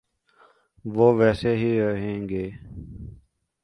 ‘وہ ویسے ہی رہیں گے۔